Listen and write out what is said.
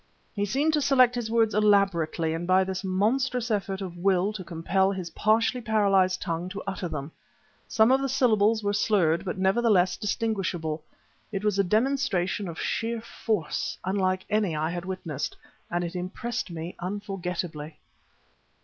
He seemed to select his words elaborately and by this monstrous effort of will to compel his partially paralyzed tongue to utter them. Some of the syllables were slurred; but nevertheless distinguishable. It was a demonstration of sheer Force unlike any I had witnessed, and it impressed me unforgettably.